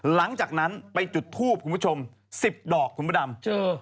หลังจากนั้นไปจุดทูบคุณผู้ชม๑๐ดอกคุณพระดำเจอ